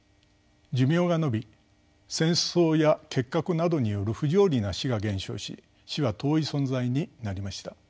寿命が延び戦争や結核などによる不条理な死が減少し死は遠い存在になりました。